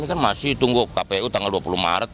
ini kan masih tunggu kpu tanggal dua puluh maret